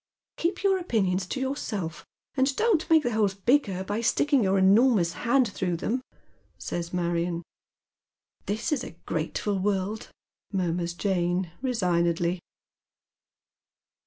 " Keep your opinions to yourself, and don't make the holes bigger by sticking your enormous hand through them," says Marion. " This is a grateful world," murmurs Jane, resignedly.